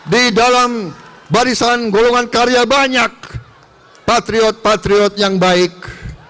di dalam barisan golongan karya banyak patriot patriot yang baik